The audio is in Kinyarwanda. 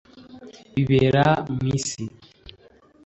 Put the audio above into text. bibera mu isi